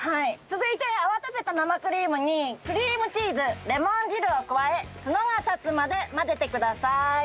続いて泡立てた生クリームにクリームチーズレモン汁を加え角が立つまで混ぜてください。